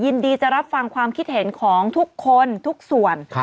ยินดีจะรับฟังความคิดเห็นของทุกคนทุกส่วน